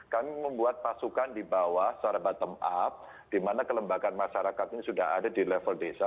kami membuat pasukan di bawah secara bottom up di mana kelembagaan masyarakat ini sudah ada di level desa